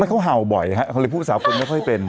มันเขาเห่าบ่อยครับเลยผู้สาวคนไม่ค่อยเป็น